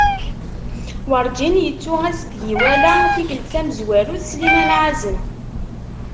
Werğin yettu ass deg iwala i tikelt tamezwarut Sliman Azem.